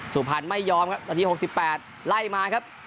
สุพรรณไม่ยอมครับนาที๖๘ไล่มาครับ